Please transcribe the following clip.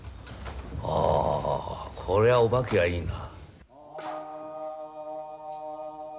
あこれはお化けはいいな。